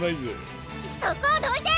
そこをどいて！